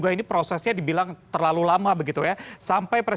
inilah hal yang terakhir